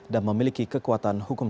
dan memiliki kekuatan hukum